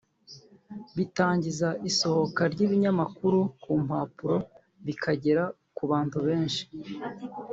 bitangiza isohoka ry’ibinyamakuru ku mpapuro bikagera ku bantu benshi